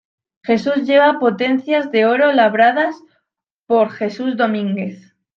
Jesús lleva potencias de oro labradas por Jesús Domínguez.